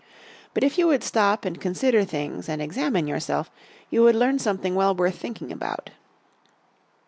But if you would stop and consider things and examine yourself you would learn something well worth thinking about.